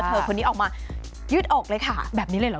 คนนี้ออกมายืดอกเลยค่ะแบบนี้เลยเหรอ